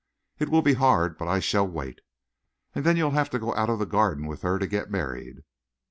"It will be hard; but I shall wait." "And then you'll have to go out of the Garden with her to get married."